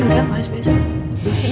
gak mas biasanya